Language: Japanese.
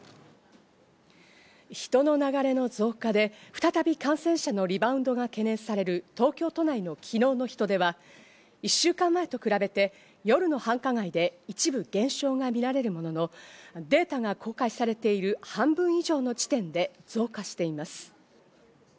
人の流れの増加で再び感染者のリバウンドが懸念される東京都内の昨日の人出は、１週間前と比べて夜の繁華街で一部減少が見られるものの、データが公開されている半分以上の地点で増加しています。